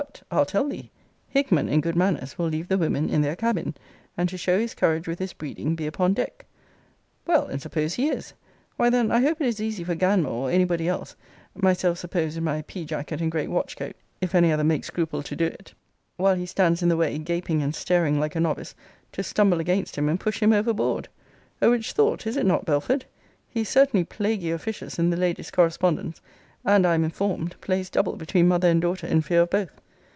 I'll tell thee Hickman, in good manners, will leave the women in their cabin and, to show his courage with his breeding, be upon deck Well, and suppose he is! Why then I hope it is easy for Ganmore, or any body else, myself suppose in my pea jacket and great watch coat, (if any other make scruple to do it), while he stands in the way, gaping and staring like a novice, to stumble against him, and push him overboard! A rich thought is it not, Belford? He is certainly plaguy officious in the ladies' correspondence; and I am informed, plays double between mother and daughter, in fear of both.